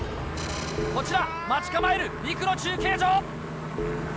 こちら待ち構える２区の中継所。